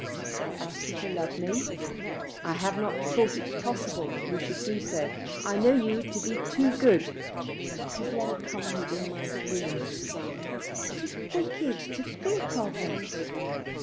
Have I asked you to love me? I have not thought it possible that you should do so. I know you to be too good. It has never come within my dreams." "It is wicked to think of it."